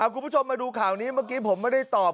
คุณผู้ชมมาดูข่าวนี้เมื่อกี้ผมไม่ได้ตอบ